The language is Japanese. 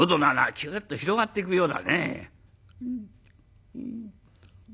キュッと広がっていくようだね」。